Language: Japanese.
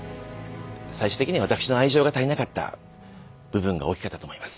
最終的には私の愛情が足りなかった部分が大きかったと思います。